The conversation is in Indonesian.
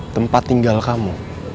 tempat tinggal kamu